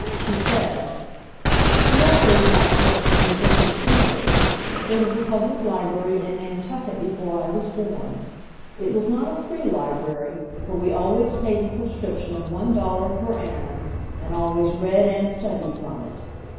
She says: "We always had books, and were bookish people. There was a public library in Nantucket before I was born. It was not a free library, but we always paid the subscription of one dollar per annum, and always read and studied from it.